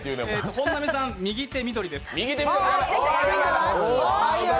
本並さん、右手緑です。